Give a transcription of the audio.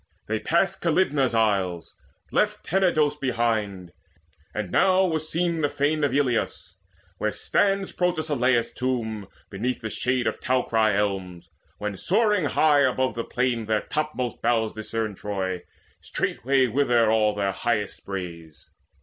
They passed Calydnae's isles, left Tenedos behind; And now was seen the fane of Eleus, Where stands Protesilaus' tomb, beneath The shade of towery elms; when, soaring high Above the plain, their topmost boughs discern Troy, straightway wither all their highest sprays.